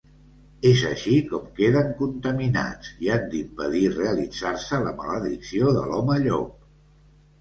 És així com queden contaminats, i han d'impedir realitzar-se la maledicció de l'home- llop.